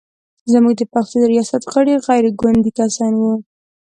زموږ د پښتو ریاست غړي غیر ګوندي کسان و.